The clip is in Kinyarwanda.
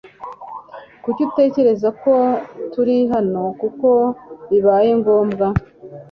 Kuki utekereza ko turi hano kuko bibaye ngombwa